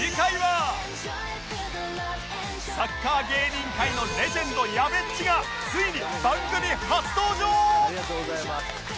サッカー芸人界のレジェンドやべっちがついに番組初登場！